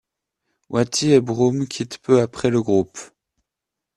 Wattie et Broome quittent peu après le groupe.